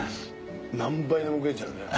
何杯でも食えちゃうね。